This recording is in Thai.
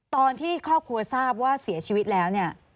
ตอนที่ครอบครัวทราบว่าเสียชีวิตแล้วเนี่ย